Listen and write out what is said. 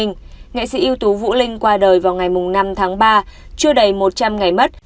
nghệ sĩ yếu tố vũ linh qua đời vào ngày năm ba chưa đầy một trăm linh ngày mất